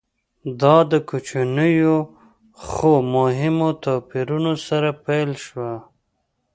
دا د کوچنیو خو مهمو توپیرونو سره پیل شوه